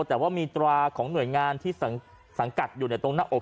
แต่ว่ามีตราของหน่วยงานที่สังกัดอยู่ในตรงหน้าอก